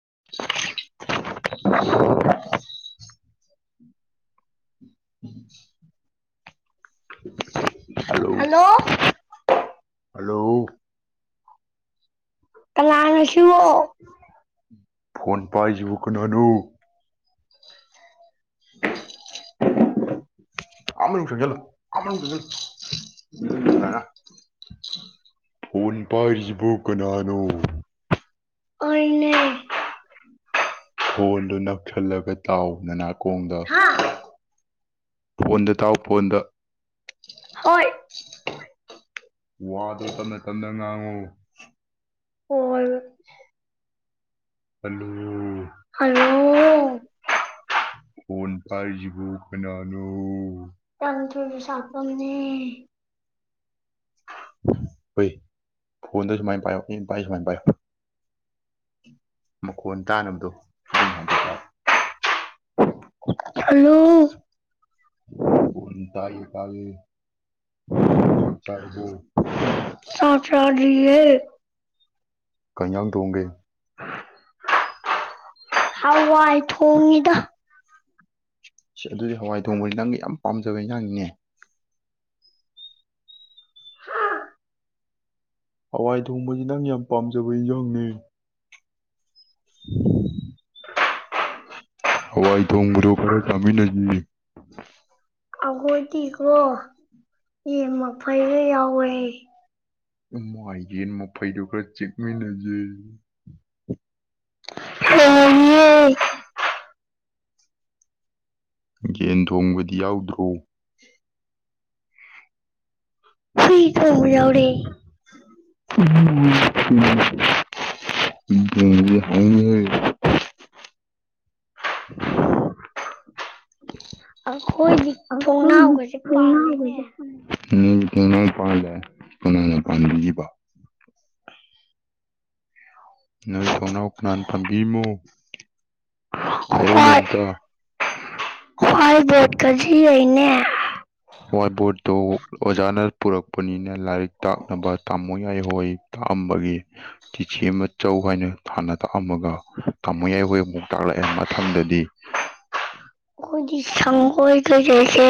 [unintelligible] [unintelligible] hello hello hello ꯀꯂꯥꯟꯅꯁꯨ phone ꯄꯥꯏꯁꯤꯕꯨ ꯀꯩꯅꯣꯅꯨ [unintelligible] ꯑꯔ ꯁꯖꯂꯔ ꯐꯣꯟ ꯄꯥꯏꯁꯤꯕꯨ ꯀꯅꯥꯅꯣ ꯑꯣꯏꯅꯦ ꯐꯣꯟꯗꯨ ꯅꯛꯊꯜꯂꯒ ꯇꯥꯎꯅꯅꯥ ꯈꯣꯡꯗ ꯍꯥꯥ ꯐꯣꯟꯗ ꯇꯥꯎ ꯐꯣꯟꯗ ꯍꯣꯏ ꯍꯣꯢ ꯋꯥ ꯑꯗꯨ ꯆꯅ ꯀꯗ ꯉ ꯑꯣ ꯑꯂ ꯍꯜꯂꯣ ꯐꯣꯟ ꯄꯥꯢꯖꯤꯕꯨ ꯀꯅꯥꯅꯣ ꯄꯥꯝ ꯊꯣꯡ ꯁꯥꯄꯝꯅꯦ ꯍꯣꯏ ꯐꯣꯟꯗ ꯁꯨꯃꯥꯏꯅ ꯄꯥꯏꯣ ꯄꯥꯏ ꯁꯨꯃꯥꯏꯅ ꯄꯥꯏꯌꯣ ꯃꯈꯣꯟ ꯇꯥꯅꯕꯗꯣ [unintelligible] ꯂ ꯀꯣꯟ ꯇ ꯑꯩꯀꯒ ꯑꯆꯥ ꯆꯥꯛ ꯆꯥꯗ꯭ꯔꯤꯌꯦ ꯀꯩ ꯢꯖꯥꯡ ꯊꯣꯡꯒꯦ ꯍꯥꯎꯋꯥ ꯍꯥꯏꯇ ꯍꯣꯡꯉꯤꯗ ꯑꯗꯨꯗꯤ ꯍꯋꯥꯏ ꯊꯣꯡꯕꯁꯤ ꯅꯪꯒꯤ ꯌꯥꯝ ꯄꯥꯝꯖꯕ ꯏꯟꯁꯥꯡꯅꯤꯅꯦ ꯍꯥ ꯍꯋꯥꯏ ꯊꯣꯡꯕꯁꯤ ꯅꯪ ꯌꯥꯝ ꯄꯥꯝꯖꯕ ꯢꯟꯁꯥꯡꯅꯦ [unintelligible] ꯑꯋꯥꯏ ꯎꯔ ꯈꯔꯦ ꯀꯃꯤ ꯅꯖꯤ ꯑꯈꯣꯏꯗꯤꯤꯀꯣ ꯌꯦꯃ ꯐꯩꯔ ꯌꯥꯎꯋꯦ ꯎꯃꯥꯏꯒꯦ ꯌꯧꯟ ꯃꯐꯩꯗꯨ ꯈꯔ ꯆꯤꯛꯃꯤꯟꯅꯁꯦ ꯂꯣꯏꯔꯦ ꯍ ꯌꯦꯟ ꯊꯣꯡꯕꯗꯤ ꯌꯥꯎꯗ꯭ꯔꯣ ꯍ ꯊꯂꯧꯔꯦ ꯍꯥꯏ ꯑ ꯍꯣꯏꯗꯤ ꯑ ꯍꯣꯏꯗꯤ ꯄꯨꯅ ꯑꯣꯏ ꯅꯅꯥ ꯄꯥꯗ ꯄꯨꯅꯅ ꯄ ꯅꯣꯏ ꯊꯣꯡꯅꯥꯎ ꯀꯅꯥꯟ ꯄꯝꯕꯤꯔꯤꯃꯣ ꯄꯥꯏꯔꯣꯅꯦ ꯑꯝꯇ ꯍꯥꯏꯕ ꯀꯖꯤ ꯑꯣꯢꯅꯦ ꯋꯥꯏꯠ ꯕꯣꯔꯠꯇꯨ ꯑꯣꯖꯥꯅ ꯄꯨꯔꯛꯄꯅꯤꯅ ꯂꯥꯏꯔꯤꯛ ꯇꯥꯛꯅꯕ ꯇꯝꯃꯣꯌꯥꯏ ꯍꯣꯏ ꯇꯥꯛꯑꯝꯕꯒꯤ ꯆꯤꯊꯤ ꯑꯃ ꯆꯧ ꯍꯥꯏꯅ ꯊꯥꯟꯅ ꯇꯥꯛꯑꯝꯃꯒ ꯀꯥꯃꯨꯌꯥꯏ ꯍꯍꯣꯏ ꯑꯃꯨꯛ ꯇꯥꯛꯂꯛꯑꯦ ꯃꯊꯪꯗꯗꯤ ꯑꯩꯣꯏꯗꯤ ꯁꯪꯈꯣꯏ ꯀꯖꯦꯁꯦ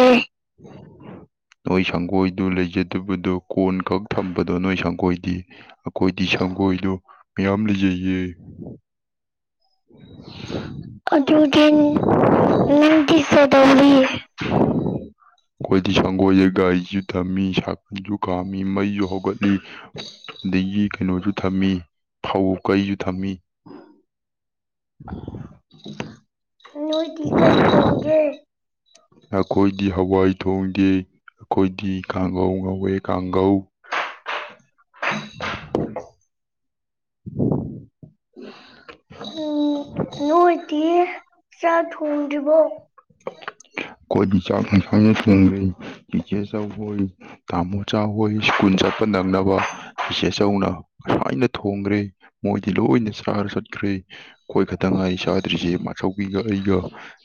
ꯎꯝ ꯅꯣꯏ ꯁꯪꯒꯣꯏꯗꯨ ꯂꯩꯖꯗꯕꯗꯨꯣ ꯀꯣꯟ ꯈꯛ ꯊꯝꯕꯗꯣ ꯅꯣꯏ ꯁꯪꯒꯣꯏꯗꯤ ꯑꯩꯈꯣꯏꯗꯤ ꯁꯪꯒꯣꯏꯗꯣ ꯃꯌꯥꯝ ꯂꯩꯖꯩꯌꯦ ꯑꯗꯨꯗꯤ ꯅꯪꯒꯤ ꯁꯔꯕꯦꯟꯗꯤ [unintelligible] ꯑꯩꯈꯣꯏꯗꯤ ꯁꯪꯒꯣꯏꯁꯦ ꯒꯥꯔꯤꯁꯨ ꯇꯝꯃꯤ ꯁꯥꯀꯜꯁꯨ ꯈꯥꯝꯃꯤ ꯃꯩꯁꯨ ꯍꯧꯒꯠ ꯑ ꯑꯗꯒꯤ ꯀꯩꯅꯣꯁꯨ ꯊꯝꯃꯤ ꯐꯧ ꯀꯩꯁꯨ ꯊꯝꯃꯤ [unintelligible] ꯅꯣꯏꯗꯤ ꯀꯩ ꯊꯣꯡꯒꯦ [unintelligible] ꯑꯩꯈꯣꯏꯗꯤ ꯍꯋꯥꯏ ꯊꯣꯡꯒꯤꯦ ꯑꯩꯈꯣꯏꯗꯤ ꯀꯥꯡꯒꯧ ꯉꯧꯋꯦ ꯀꯥꯡꯒꯧ [unintelligible] ꯅꯣꯏꯗꯤ ꯆꯥꯛ ꯊꯣꯡꯗꯔꯤꯕꯣ ꯀꯣꯏ ꯆꯥꯛ ꯏꯟꯖꯥꯡ ꯊꯣꯡꯉꯦ ꯆꯦꯆꯦ ꯆꯧ ꯍꯣꯏ ꯇꯥꯃꯣ ꯆꯥꯍꯣꯏ ꯁ꯭ꯀꯨꯜ ꯆꯠꯄ ꯅꯪꯅꯕ ꯏꯆꯦꯆꯧꯅ ꯉꯁꯥꯢꯅ ꯊꯣꯡꯈ꯭ꯔꯦ ꯃꯣꯏꯗꯤ ꯂꯣꯏꯅ ꯆꯥꯔ ꯆꯠꯈ꯭ꯔꯦ ꯑꯈꯣꯏ ꯈꯛꯇꯪ ꯉꯥꯏ ꯆꯥꯗ꯭ꯔꯤꯁꯦ ꯃꯥꯆꯧꯕꯤꯒ ꯑꯩꯒ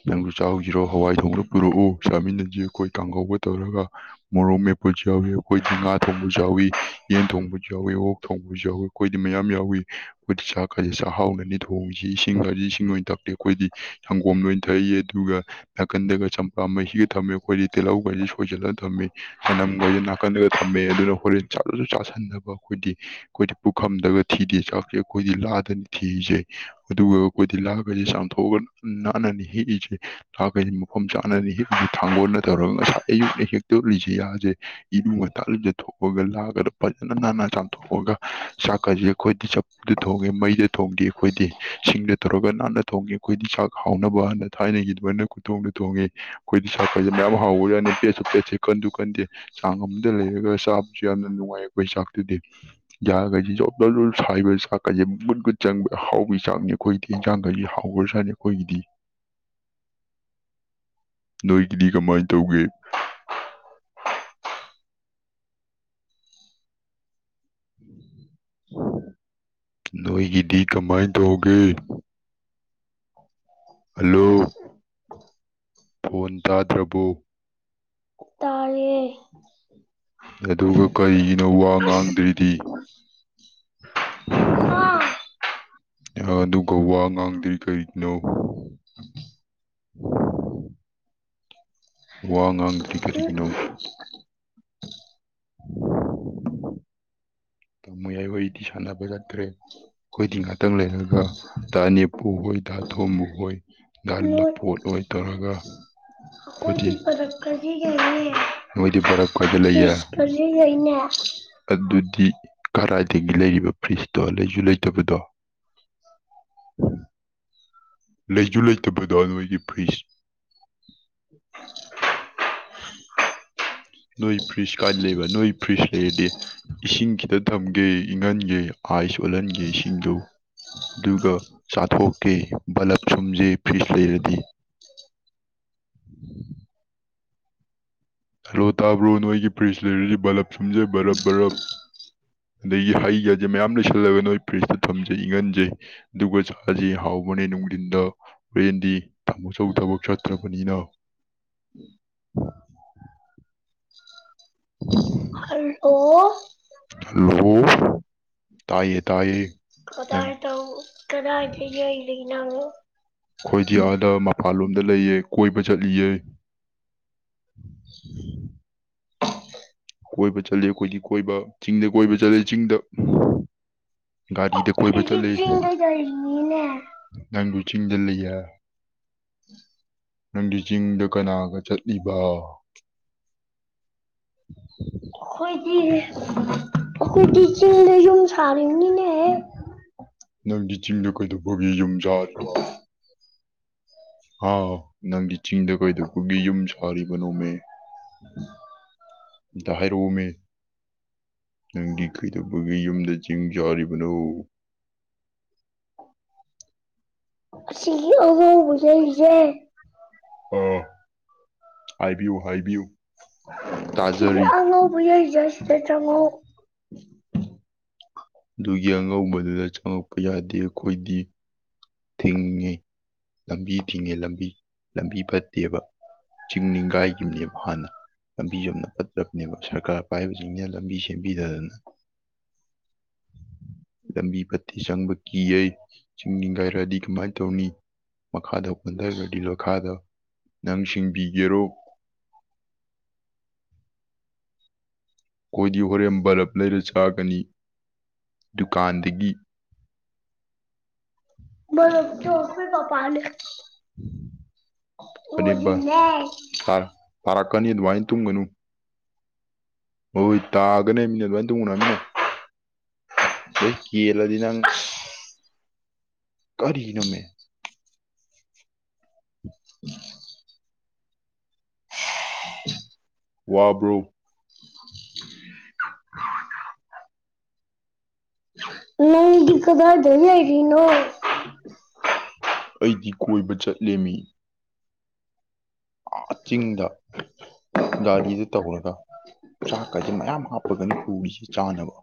ꯅꯪꯁꯨ ꯆꯥꯍꯧꯁꯤꯔꯣ ꯍꯋꯥꯏ ꯊꯣꯡꯅ ꯄꯨꯔꯛꯎ ꯆꯥꯃꯤꯟꯅꯁꯤ ꯑꯩꯈꯣꯏ ꯀꯥꯡꯍꯧꯕ ꯇꯧꯔꯒ ꯃꯣꯔꯣꯛ ꯃꯦꯞꯄꯁꯨ ꯌꯥꯎꯏ ꯑꯈꯣꯏ ꯗꯤ ꯉꯥ ꯊꯣꯡꯕꯁꯨ ꯌꯥꯎꯏ ꯌꯦꯟ ꯊꯣꯡꯕꯁꯨ ꯌꯥꯎꯏ ꯑꯣꯛ ꯊꯣꯡꯕꯁꯨ ꯌꯥꯎꯏ ꯑꯩꯈꯣꯏꯗꯤ ꯃꯌꯥꯝ ꯌꯥꯎꯏ ꯑꯈꯣꯏꯗꯤ ꯆꯥꯛ ꯈꯁꯦ ꯆꯥꯛꯍꯥꯎꯅꯅꯤ ꯊꯣꯡꯉꯤꯁꯤ ꯏꯁꯤꯡ ꯈꯁꯦ ꯏꯁꯤꯡ ꯊꯛꯇꯦ ꯑꯩꯈꯣꯏꯗꯤ ꯁꯪꯒꯣꯝ ꯂꯣꯏ ꯊꯛꯏ ꯑꯗꯨꯒ ꯅꯥꯀꯟꯗꯒ ꯆꯝꯄ꯭ꯔꯥ ꯃꯍꯩꯤꯒ ꯊꯝꯃꯤ ꯑꯩꯈꯣꯏꯗꯤ ꯇꯤꯜꯍꯧꯒꯁꯤ ꯁꯣꯏꯁꯤꯜꯂꯒ ꯊꯝꯃꯤ ꯆꯅꯝꯒ ꯍꯥꯏꯁꯦ ꯅꯥꯀꯟꯗꯒ ꯊꯝꯃꯦ ꯑꯗꯨꯅ ꯍꯣꯔꯦꯟ ꯆꯥꯂꯁꯨ ꯆꯥꯥꯁꯟꯅꯕ ꯑꯩꯈꯣꯏꯗꯤ ꯑꯩꯈꯣꯏ ꯄꯨꯈꯝꯗꯒ ꯊꯤꯗꯦ ꯆꯥꯛꯁꯤ ꯑꯈꯣꯏꯗꯤ ꯂꯥꯗꯅꯤ ꯊꯤꯔꯤꯁꯦ ꯑꯗꯨꯒ ꯑꯈꯣꯏꯗꯤ ꯂꯥꯒꯁꯦ ꯆꯥꯝꯊꯣꯛꯑꯒ ꯅꯥꯟꯅꯅꯤ ꯍꯦꯛꯏꯁꯦ ꯊ ꯀꯩ ꯃꯐꯝ ꯆꯥꯅꯅ ꯍꯦꯛ ꯊꯥꯡꯒꯣꯜꯅ ꯇꯧꯔꯒ ꯉꯁꯥꯏ ꯑꯌꯨꯛꯅ ꯍꯦꯛꯇꯧꯨꯏꯁꯦ ꯌꯥꯁꯦ ꯏꯔꯨ ꯉꯟꯇ ꯂꯨꯖꯊꯣꯛꯑꯒ ꯂꯥꯛꯑꯒꯗ ꯐꯖꯅ ꯅꯥꯟꯅ ꯆꯥꯝꯊꯣꯛꯑꯒ ꯆꯥꯛꯀꯁꯦ ꯑꯩꯥꯈꯣꯏꯗꯤ ꯆꯐꯨꯗ ꯊꯣꯡꯉꯦ ꯃꯩꯗ ꯊꯣꯡꯗꯦ ꯑꯈꯣꯏꯗꯤ ꯁꯤꯡꯗ ꯇꯧꯔꯒ ꯅꯥꯟꯅ ꯊꯣꯡꯉꯦ ꯑꯩꯈꯣꯏꯗꯤ ꯁꯥꯛ ꯍꯥꯎꯅꯕ ꯍꯅ ꯊꯥꯏꯅꯗꯅ ꯊꯣꯡꯗ ꯊꯣꯡꯉꯦ ꯑꯩꯈꯣꯏꯗꯤ ꯁꯥꯥꯛ ꯐꯁꯦ ꯃꯌꯥꯝ ꯍꯥꯎ ꯌꯥꯅꯤ ꯆꯁꯦ ꯀꯟꯗꯨ ꯀꯟꯗꯦ ꯆꯥꯡ ꯑꯃꯗ ꯂꯩꯔꯒ ꯆꯥꯕꯁꯨ ꯌꯥꯝꯅ ꯅꯨꯡꯉꯥꯏ ꯑꯩꯕꯩ ꯆꯥꯛꯇꯨꯗꯤ ꯌꯥꯒꯁꯦ ꯖꯣꯞ ꯖꯣꯞ ꯁꯥꯏꯕ ꯆꯥꯛꯀꯁꯦ ꯀꯨꯠ ꯀꯨꯠ ꯆꯪꯕ ꯍꯥꯎꯕ ꯆꯥꯛꯅꯤ ꯑꯈꯣꯏꯗꯤ ꯌꯦꯟꯖꯥꯡꯈꯁꯤ ꯍꯥꯎꯈ꯭ꯔ ꯁꯥꯥꯅꯤ ꯑꯈꯣꯏꯒꯤꯗꯤ ꯅꯣꯏꯒꯤꯗꯤ ꯀꯃꯥꯏꯅ ꯇꯧꯒꯦ ꯅꯣꯏꯒꯤꯗꯤ ꯀꯃꯥꯏꯅ ꯇꯧꯒꯦ ꯑꯣ ꯍꯜꯂꯣ ꯎ ꯐꯣꯟ ꯇꯥꯗ꯭ꯔꯕꯨ ꯇꯔꯦ ꯑꯗꯨꯒ ꯀꯔꯤꯒꯤꯅꯣ ꯋꯥ ꯑꯁ ꯉꯥꯡꯗ꯭ꯔꯤꯗꯤ ꯍꯥ ꯑꯗꯨꯒ ꯋꯥ ꯉꯥꯡꯗ꯭ꯔꯤ ꯀꯔꯤꯒꯤꯅꯣ ꯎꯝ ꯋꯥ ꯉꯥꯡꯗ꯭ꯔꯤ ꯀꯔꯤꯒꯤꯅꯣ ꯇ ꯃ ꯌꯥꯏꯍꯣꯏꯗꯤ ꯁꯥꯟꯅꯕ ꯆꯠꯇ꯭ꯔꯦ ꯑꯩꯈꯣꯏꯗꯤ ꯉꯥꯛꯇꯪ ꯂꯩꯔꯒ ꯅꯦꯄꯨ ꯍꯣꯏ ꯗꯥ ꯊꯣꯕꯨ ꯍꯣꯏ ꯂꯄꯣꯠ ꯑꯣꯏ ꯇꯧꯔꯒ ꯍꯣꯏ ꯑꯩꯈꯣꯏꯗꯤ ꯇꯨꯄꯗꯀꯁꯤ ꯀꯅꯤ ꯍꯥꯏ ꯅꯣꯏꯗꯤ ꯕꯔꯞ ꯀꯥꯏꯗ ꯂꯩꯌꯦ ꯐꯤꯁꯀ ꯂꯩꯏꯅꯦ ꯑꯗꯨꯗꯤ ꯀꯔꯥꯏꯗꯒꯤ ꯂꯩꯔꯤꯕ ꯐ꯭ꯔꯤꯖꯇꯣ ꯂꯩꯁꯨ ꯂꯩꯇꯕꯗꯣ ꯎꯝ ꯂꯩꯁꯨ ꯂꯩꯇꯕꯗꯣ ꯅꯣꯢꯒꯤ ꯐ꯭ꯔꯤꯁ [unintelligible] ꯅꯣꯏ ꯐ꯭ꯔꯤꯖ ꯀꯥꯏꯅ ꯂꯩꯕ ꯅꯣꯏ ꯐ꯭ꯔꯤꯖ ꯂꯩꯔꯗꯤ ꯏꯁꯤꯡ ꯈꯤꯇ ꯊꯝꯒꯦ ꯏꯪꯍꯟꯒꯦ ꯑꯥꯏꯁ ꯑꯣꯜꯍꯟꯒꯦ ꯏꯁꯤꯡꯗꯨ ꯑꯗꯨꯒ ꯆꯥꯊꯣꯛꯀꯦ ꯕꯂꯞ ꯁꯨꯝꯖꯦ ꯐ꯭ꯔꯤꯖ ꯂꯩꯔꯗꯤ ꯔꯣꯇꯥ ꯕ ꯔꯣꯏꯒꯤ ꯐ꯭ꯔꯤꯖ ꯂꯩꯔꯁꯤ ꯕꯂꯞ ꯁꯨꯝꯖꯩ ꯕꯔꯞ ꯕꯔꯞ ꯑꯗꯒꯤ ꯍꯩ ꯖꯩ ꯃꯌꯥꯝ ꯂꯩꯁꯜꯂꯒ ꯅꯣꯏ ꯐ꯭ꯔꯤꯖꯇ ꯊꯝꯖꯩ ꯏꯪꯍꯟꯖꯩ ꯑꯗꯨꯒ ꯆꯁꯤ ꯍꯥꯎꯕꯅꯦ ꯅꯨꯡꯗꯤꯟꯗ ꯍ꯭ꯔꯦꯟꯗꯤ ꯊꯝꯃꯆꯧ ꯊꯕꯛ ꯆꯠꯇ꯭ꯔꯕꯅꯤꯅ ꯎꯝ ꯍꯜꯂꯣ ꯍꯜꯂꯣ ꯇꯥꯢ ꯇꯥꯏꯌꯦ ꯇꯥꯏꯌꯦ ꯇꯥꯢ ꯅꯪ ꯀꯗꯥꯢ ꯇꯧ ꯀꯗꯥꯢꯗ ꯂꯩꯔꯤꯅꯣ ꯈꯣꯏꯗꯤꯌ ꯑꯗ ꯃꯄꯥꯟꯂꯣꯝꯗ ꯂꯩꯌꯦ ꯀꯣꯏꯕ ꯆꯠꯂꯤꯌꯦ ꯀꯣꯏꯕ ꯆꯠꯂꯤ ꯑꯈꯣꯏꯒꯤ ꯀꯣꯏꯕ ꯆꯤꯡꯗ ꯀꯣꯏꯕ ꯆꯠꯂꯦ ꯆꯤꯡꯗ ꯒꯥꯔꯤꯗ ꯀꯣꯏꯕ ꯆꯠꯂꯤ ꯆꯅꯤꯅꯦ ꯅꯪꯗꯤ ꯆꯤꯡꯗ ꯂꯩꯌꯦ ꯅꯪꯗꯤ ꯆꯤꯡꯗ ꯀꯅꯥꯒ ꯆꯠ ꯂꯤꯕ ꯑꯩꯈꯣꯏꯗꯤ ꯑꯩꯈꯣꯏꯗꯤ ꯆꯤꯗ ꯌꯨꯝ ꯁꯥꯔꯤꯕꯅꯤꯅꯦꯍꯦ ꯅꯪꯒꯤ ꯆꯤꯡꯗꯣ ꯀꯩꯗꯧꯕꯒꯤ ꯌꯨꯝ ꯖꯥ ꯑ ꯅꯪꯒꯤ ꯆꯤꯡꯗ ꯀꯩꯗꯧꯕꯒꯤ ꯌꯨꯝ ꯁꯥꯔꯤꯕ ꯅꯣꯃꯦ ꯇ ꯍꯥꯏꯔꯣꯃꯦ ꯅꯪꯗꯤ ꯀꯩ ꯑꯗꯨꯒꯤ ꯌꯨꯝꯗ ꯆꯤꯡ ꯆꯥꯔꯤꯕꯅꯣ ꯁꯤ ꯑꯖꯁ ꯑꯥ ꯍꯥꯏꯕꯤꯌꯨ ꯍꯥꯢꯕꯤꯌꯨ ꯍꯥꯏꯕꯤꯌꯨ ꯍꯥꯢꯕꯤꯌꯨ ꯁꯤꯖꯤ ꯇꯥꯖꯔꯤ ꯑꯉꯧꯕ ꯂꯩꯖꯩꯁ ꯂꯩꯇ꯭ꯔꯉꯣ ꯑꯗꯨꯒꯤ ꯑꯉꯧꯕꯗꯨꯗ ꯆꯪꯉꯛꯄ ꯌꯥꯗꯦ ꯑꯩꯈꯣꯏꯗꯤ ꯊꯤꯡꯉꯦ ꯂꯝꯕꯤ ꯊꯤꯡꯉꯦ ꯂꯝꯕꯤ ꯂꯝꯕꯤ ꯐꯠꯇꯦꯕ ꯆꯤꯡ ꯅꯤꯡꯒꯥꯏ ꯌꯨꯝꯅꯦꯕ ꯍꯥꯟꯅ ꯂꯝꯕꯤ ꯌꯅ ꯐꯠꯇꯦ ꯆꯠꯄꯅꯦꯕ ꯁꯔꯀꯥꯔ ꯄꯥꯏꯕꯁꯤꯡꯅ ꯂꯝꯕꯤ ꯁꯦꯝꯕꯤꯗꯗꯅ ꯂꯝꯕꯤ ꯄꯠꯇꯤ ꯁꯪꯕ ꯀꯤ ꯆꯤꯡꯅꯤꯡꯒꯥꯏ ꯈꯗꯤ ꯀꯃꯥꯏꯅ ꯇꯧꯅꯤ ꯃꯈꯥꯗ ꯄꯟꯊꯒꯗꯤ ꯂꯈꯥꯗ ꯅꯪ ꯁꯤꯡꯕꯤꯒꯦꯔꯣ ꯑꯩꯈꯣꯏꯗꯤ ꯍꯣꯔꯦꯟ ꯕꯂꯞ ꯂꯩꯔ ꯆꯥꯒꯅꯤ ꯗꯨꯀꯥꯟꯗꯒꯤ ꯆꯧꯈꯣꯏ ꯄꯄ ꯑꯂꯦ ꯎꯝ ꯑꯣꯖꯤꯅꯦ ꯐꯥꯔꯛꯀꯅꯤ ꯑꯗꯨꯃꯥꯏꯅ ꯇꯨꯝꯒꯅꯨ ꯃꯣꯏ ꯇꯥꯒꯅꯦ ꯃꯤꯅ ꯂꯣꯏꯥꯏꯅ ꯇꯣꯡꯅꯃꯤꯅꯦ ꯑꯩ ꯀꯂꯗꯤ ꯅꯪ ꯀꯔꯤꯒꯤꯅꯣꯃꯦ [unintelligible] ꯎ ꯋꯥꯕ꯭ꯔꯣ ꯑꯣ ꯅꯗꯤ ꯀꯗꯥꯗ ꯌꯥꯏꯔꯤꯅꯣ ꯑꯩꯗꯤ ꯀꯣꯏꯕ ꯆꯠꯂꯝꯃꯤ ꯑꯥ ꯆꯤꯡꯗ ꯒꯥꯔꯤꯗ ꯇꯧꯔꯒ ꯆꯥꯛꯀꯁꯦ ꯃꯌꯥꯝ ꯍꯥꯞꯄꯒꯅꯤ ꯄꯨꯔꯤꯁꯤ ꯆꯥꯅꯕ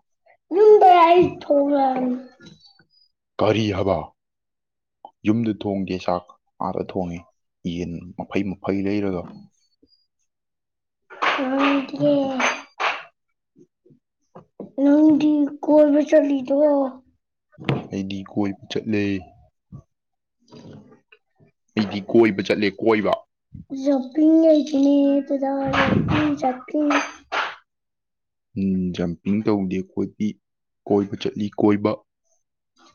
[unintelligible] ꯀꯔꯤ ꯍꯥꯏꯕ ꯌꯨꯝꯗ ꯊꯣꯡꯗꯦ ꯆꯥꯛ ꯑꯥꯗ ꯊꯣꯡꯉꯦ ꯌꯦꯟ ꯃꯐꯩ ꯃꯐꯩ ꯂꯩꯔꯒ [unintelligible] ꯅꯪꯗꯤ ꯀꯣꯏꯕ ꯆꯠꯂꯤꯗꯣ ꯑꯩꯗꯤ ꯀꯣꯏꯕ ꯆꯠꯂꯦ ꯑꯩꯗꯤ ꯀꯣꯏꯕ [inaudible] ꯆꯠꯂꯦ ꯀꯣꯏꯕ [unintelligible] [unintelligible] ꯎꯝ ꯖꯝꯄꯤꯡ ꯇꯧꯗꯦ ꯑꯩꯈꯣꯏꯗꯤ ꯀꯣꯏꯕ ꯆꯠꯂꯤ ꯀꯣꯏꯕ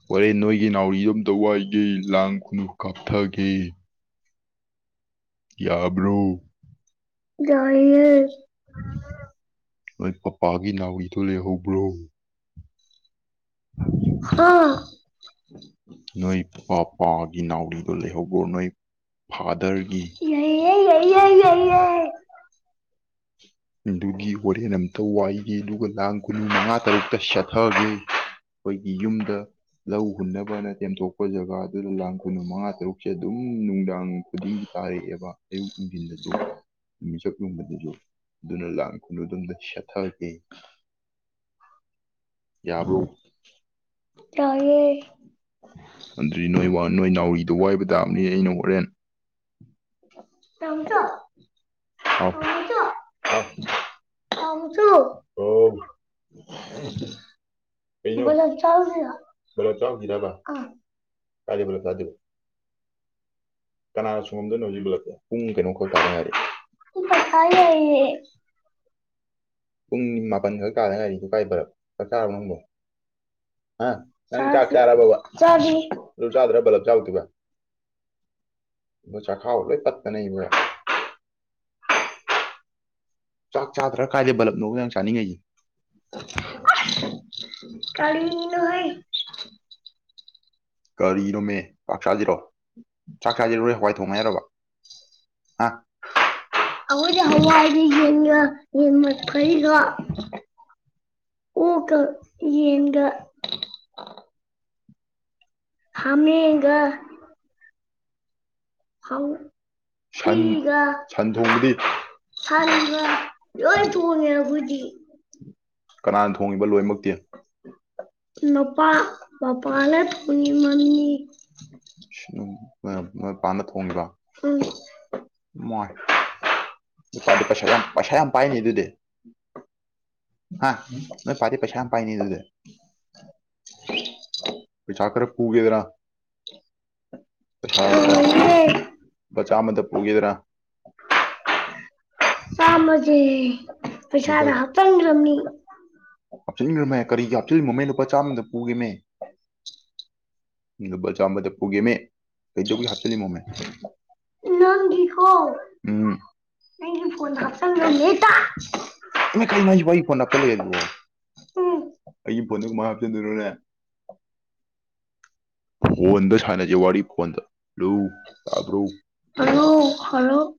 ꯍꯣꯔꯦꯟ ꯅꯣꯏꯒꯤ ꯅꯥꯎꯔꯤꯗꯣ ꯑꯝꯇ ꯋꯥꯏꯒꯦ ꯂꯥꯡ ꯈꯨꯅꯨ ꯀꯥꯞꯊꯒꯦ ꯌꯥꯕ꯭ꯔꯣ ꯌꯥꯏꯌꯦ [unintelligible] ꯅꯣꯏ ꯄꯄꯥꯒꯤ ꯅꯥꯎꯔꯤꯗꯣ ꯂꯩꯍꯧꯕ꯭ꯔꯣ ꯍꯥ ꯅꯣꯏ ꯄꯄꯥꯒꯤ ꯅꯥꯎꯔꯤꯗꯣ ꯂꯩꯍꯧꯕ꯭ꯔꯣ ꯅꯣꯏ ꯐꯥꯗꯔꯒꯤ [unintelligible] ꯑꯗꯨꯒꯤ ꯍꯣꯔꯦꯟ ꯑꯝꯇ ꯋꯥꯏꯒꯦ ꯑꯗꯨꯒ ꯂꯥꯡ ꯈꯨꯅꯨ ꯃꯉꯥ ꯇꯔꯨꯛꯇ ꯁꯦꯊꯒꯦ ꯑꯩꯈꯣꯏꯒꯤ ꯌꯨꯝꯗ ꯂꯧ ꯍꯨꯟꯅꯕꯅ ꯇꯦꯝꯊꯣꯛꯄ ꯖꯒꯥ ꯑꯗꯨ ꯂꯥꯡ ꯈꯨꯅꯨ ꯃꯉꯥ ꯇꯔꯨꯛꯁꯦ ꯑꯗꯨꯝ ꯅꯨꯡꯗꯥꯡ ꯈꯨꯗꯤꯡꯒꯤ ꯇꯥꯔꯛꯑꯦꯕ ꯑꯌꯨꯛ ꯅꯨꯡꯊꯤꯟꯗꯁꯨ ꯅꯨꯃꯤꯠ ꯆꯞ ꯌꯨꯡꯕꯗꯁꯨ ꯑꯗꯨꯅ ꯂꯥꯡ ꯈꯨꯨꯅꯨꯗꯨ ꯑꯝꯇ ꯁꯦꯠꯊꯒꯦ ꯌꯥꯕ꯭ꯔꯣ ꯌꯥꯏꯌꯦ [unintelligible] ꯑꯗꯨꯗꯤ ꯅꯣꯏ ꯋꯥ ꯅꯣꯏ ꯅꯥꯎꯔꯤꯗꯨ ꯋꯥꯏꯕ ꯇꯥꯕꯅꯤ ꯑꯩꯅ ꯍꯣꯔꯦꯟ ꯇꯥꯝꯆꯥ ꯍꯥꯎ ꯇꯥꯃꯣꯆꯥ ꯍꯥꯎ ꯑꯣ [unintelligible] ꯀꯩꯅꯣ ꯕꯣꯂꯞ ꯆꯥꯎꯁꯤꯔꯣ ꯕꯂꯞ ꯆꯥꯎꯁꯤꯔꯥꯕ ꯑꯥ ꯀꯥꯏꯗꯩ ꯕꯨꯂꯞ ꯆꯥꯗꯣꯏꯕ ꯀꯅꯥꯅ ꯁꯨꯉꯝꯗꯣꯏꯅꯣ ꯍꯧꯖꯤꯛ [unintelligible] ꯄꯨꯡ ꯀꯩꯅꯣ ꯈꯛ ꯇꯥꯗ ꯉꯥꯏꯔꯤ [unintelligible] ꯄꯄꯥ ꯂꯩꯌꯦ ꯄꯨꯡ ꯃꯥꯄꯟ ꯈꯛ ꯇꯥꯗ ꯉꯥꯏꯔꯤ ꯀꯥꯏ ꯕꯔꯞ ꯆꯥꯛ ꯆꯥꯔꯕꯣ ꯅꯪꯕꯣ ꯍꯥ ꯅꯪ ꯆꯥꯛ ꯆꯥꯗ꯭ꯔꯤ ꯆꯔꯕꯕ ꯆꯥꯗ꯭ꯔꯤ ꯑꯗꯨ ꯆꯥꯗ꯭ꯔꯒ ꯕꯂꯞ ꯆꯥꯎꯗꯣꯏꯕ ꯏꯕꯣ ꯆꯥꯛꯈꯥꯎ ꯂꯣꯏ ꯇꯠꯇꯅꯦ ꯏꯕꯣ ꯆꯥꯛ ꯆꯥꯗ꯭ꯔ ꯀꯥꯏꯗꯩ ꯕꯂꯞꯅꯣꯕ ꯅꯪ ꯆꯥꯅꯤꯡꯉꯛꯏꯁꯦ ꯑꯁ ꯀꯔꯤꯅꯣꯍꯦ ꯀꯔꯤꯅꯣꯃꯦ ꯆꯥꯛ ꯆꯥꯁꯤꯔꯣ ꯆꯥꯛ ꯆꯥꯁꯤꯔꯣ ꯅꯣꯏ ꯍꯋꯥꯏ ꯊꯣꯡꯉꯦ ꯍꯥꯏꯔꯕ ꯍꯥ ꯑꯈꯣꯏꯗꯤ ꯍꯋꯥꯏꯒ ꯌꯦꯟꯒ ꯌꯦꯟ ꯃꯐꯩꯒ ꯑꯣꯛꯀ ꯌꯦꯟꯒ ꯍꯃꯦꯡꯒ ꯍꯪ ꯁꯟ ꯁꯟ ꯊꯣꯡꯕꯗꯤ ꯁꯟꯒ ꯂꯣꯏ ꯊꯣꯡꯉꯦ ꯑꯩꯈꯣꯏꯗꯤ [unintelligible] ꯀꯅꯥꯅ ꯊꯣꯡꯉꯤꯕ ꯂꯣꯏꯃꯛꯇꯤ ꯅꯨꯄꯥ ꯄꯄꯥꯅ ꯊꯣꯡꯉꯤ ꯃꯃꯤ [unintelligible] ꯅꯣꯏ ꯄꯥꯅ ꯊꯣꯡꯉꯤꯕ ꯎꯝ ꯏꯃꯣꯏ ꯅꯣꯏꯄꯥꯗꯤ ꯄꯩꯁꯥ ꯌꯥꯝ ꯄꯩꯁꯥ ꯌꯥꯝ ꯄꯥꯏꯅꯤ ꯑꯗꯨꯗꯤ ꯍꯥ ꯅꯣꯏ ꯄꯥꯗꯤ ꯄꯩꯁꯥ ꯌꯥꯝ ꯄꯥꯏꯅꯦ ꯑꯗꯨꯗꯤ ꯄꯩꯁꯥ ꯈꯔ ꯄꯨꯒꯦꯗꯅ ꯄꯁꯥ ꯐꯠꯇ ꯊꯣꯡꯉꯤꯍꯦ ꯆꯥ ꯑꯃꯗ ꯄꯨꯒꯦꯗꯔꯥ ꯃ ꯄꯩꯁꯥꯗ ꯍꯥꯞꯇꯪꯗ꯭ꯔꯝꯅꯤ ꯍꯥꯞꯆꯤꯟꯈ ꯀꯔꯤꯒꯤ ꯍꯥꯞꯆꯤꯟꯜꯂꯤꯅꯣ ꯃꯤ ꯂꯨꯄꯥ ꯆꯥꯝꯃꯗ ꯄꯨꯈꯤꯃꯦ ꯂꯨꯄꯥ ꯆꯥꯝꯝꯕꯗ ꯄꯨꯒꯦꯃꯦ ꯀꯩꯗꯧꯒꯦ ꯍꯥꯞꯆꯜꯂꯤ ꯃꯣꯃꯦ ꯇꯈꯣ ꯃꯤ ꯏꯃꯥꯏ ꯀꯩꯅꯣ ꯍꯥꯏꯁꯤꯕꯣ ꯑꯩ ꯐꯣꯟ ꯐ ꯍꯥꯞꯆꯜꯂꯛꯑꯦꯕꯣ ꯂꯦ ꯑꯩꯒꯤ ꯐꯣꯟꯗ ꯀꯃꯥꯏ ꯍꯥꯞꯆꯤꯟꯗꯣꯏꯅꯣꯅꯦ ꯎꯝ ꯐꯣꯟꯗ ꯁꯥꯟꯅꯖꯩ ꯋꯥꯔꯤ ꯐꯣꯟꯗ ꯂꯨ ꯇꯥꯕ꯭ꯔꯣ ꯍꯜꯂꯣ ꯍꯜꯂꯣ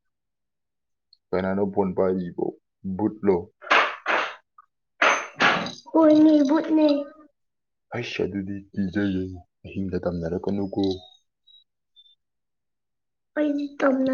ꯀꯥꯏꯅꯅ ꯐꯣꯟꯕꯁꯤꯖꯤꯕꯣ ꯚꯨꯠꯂꯣ ꯍꯣꯏꯅꯦ ꯕꯨꯠꯅꯦ ꯍꯁ ꯑꯗꯨꯗꯤ ꯏꯤꯖꯩꯌꯦ ꯑꯍꯤꯡꯗ ꯇꯝꯅꯔ ꯀꯅꯨꯒ ꯑꯩ ꯇꯅ